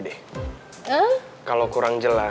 kita tarik kerja sekali lagi